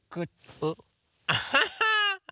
うっアハハ！